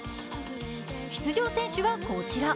出場選手はこちら。